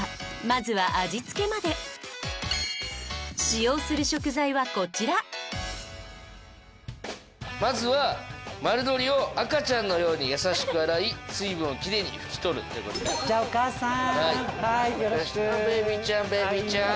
まずは味付けまで使用する食材はこちらまずは丸鶏を赤ちゃんのように優しく洗い水分をきれいに拭き取るということでじゃあお母さんはーいよろしくベビーちゃん